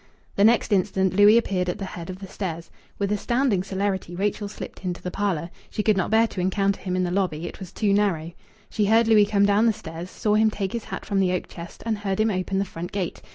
The next instant Louis appeared at the head of the stairs. With astounding celerity Rachel slipped into the parlour. She could not bear to encounter him in the lobby it was too narrow. She heard Louis come down the stairs, saw him take his hat from the oak chest and heard him open the front gate.